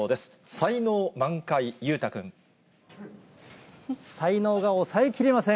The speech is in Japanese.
才能満開、才能が抑えきれません。